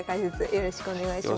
よろしくお願いします。